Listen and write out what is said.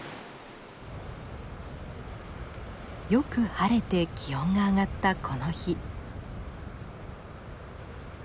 よく晴れて気温が上がったこの日。